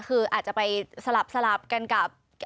คืออาจจะไปสลับกันกับ